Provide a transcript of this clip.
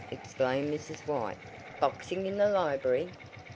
exclaimed Mrs. White, "Boxing in the library!"